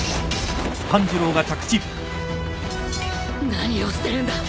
何をしてるんだ